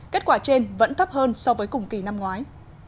kết quả trên vẫn thấp hơn so với cùng kỳ năm ngoái